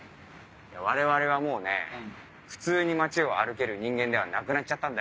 我々はもうね普通に街を歩ける人間ではなくなっちゃったんだよ。